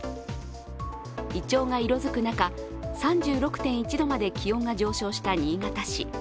いちょうが色づく中、３６．１度まで気温が上昇した新潟市。